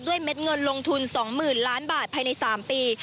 เม็ดเงินลงทุน๒๐๐๐ล้านบาทภายใน๓ปี